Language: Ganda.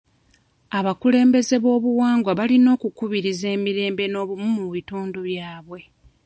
Abakulembeze bw'obuwangwa balina okukubiriza emirembe n'obumu mu bitundu byabwe.